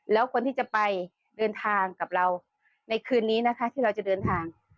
แล้วคนที่จะไปเดินทางกับเราในคืนนี้นะคะที่เราจะเดินทาง